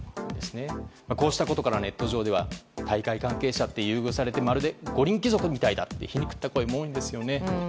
こうしたことからネット上では大会関係者って優遇されてまるで五輪貴族みたいだって皮肉った声も多いですよね。